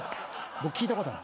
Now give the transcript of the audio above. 僕聞いたことある。